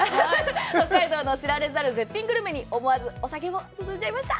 北海道の知られざる絶品グルメに思わずお酒も進んじゃいました。